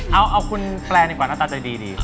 เอาคุณแปลดีกว่าหน้าตาใจดี